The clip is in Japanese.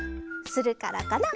するからかな？